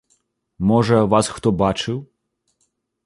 Можа, вас хто бачыў?